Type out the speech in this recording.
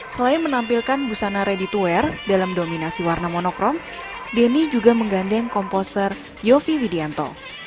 selain menampilkan busana ready to wear dalam dominasi warna monokrom denny juga menggandeng komposer yofi widianto